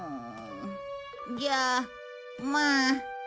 じゃあまあ。